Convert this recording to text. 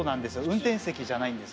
運転席じゃないんですよ。